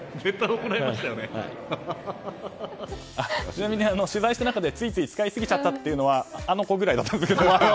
ちなみに取材した中でついつい使いすぎちゃったというのはあの子くらいだった。